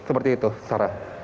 seperti itu sarah